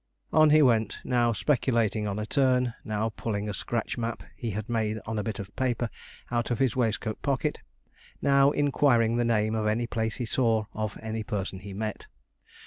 On, on he went; now speculating on a turn; now pulling a scratch map he had made on a bit of paper out of his waistcoat pocket; now inquiring the name of any place he saw of any person he met.